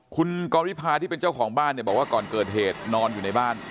คุณกรวิพาที่เป็นเจ้าของบ้านเนี่ยบอกว่าก่อนเกิดเหตุนอนอยู่ในบ้าน